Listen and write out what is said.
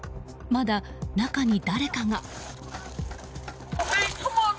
まだ中に誰かが。